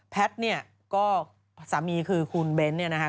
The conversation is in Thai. แพทย์เนี่ยก็สามีคือคุณเบ้นเนี่ยนะคะ